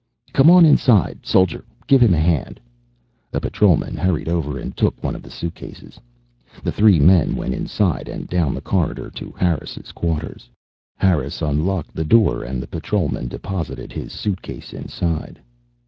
"Come on inside. Soldier, give him a hand." A Patrolman hurried over and took one of the suitcases. The three men went inside and down the corridor to Harris' quarters. Harris unlocked the door and the Patrolman deposited his suitcase inside.